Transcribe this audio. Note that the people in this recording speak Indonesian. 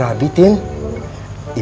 ibu khusus bikin ini buatin tin